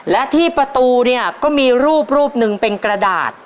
และที่ประตูเนี่ยก็มีรูปรูปหนึ่งเป็นกระดาษ